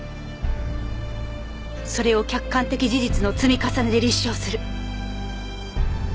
それを客観的事実の積み重ねで立証する。